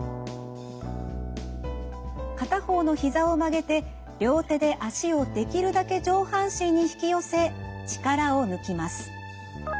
片方のひざを曲げて両手で脚をできるだけ上半身に引き寄せ力を抜きます。